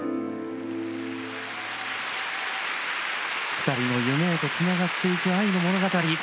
２人の夢へとつながっていく愛の物語。